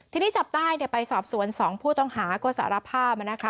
ทีนี้จับได้ไปสอบสวน๒ผู้ต้องหาก็สารภาพนะคะ